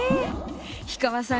氷川さん